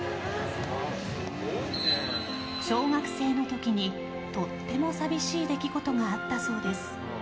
小学生の時に、とっても寂しい出来事があったそうです。